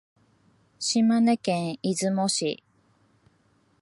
島根県出雲市